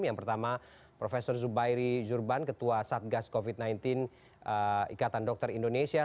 yang pertama prof zubairi jurban ketua satgas covid sembilan belas ikatan dokter indonesia